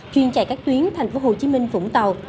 chuyên chạy các tuyến tp hcm vũng tàu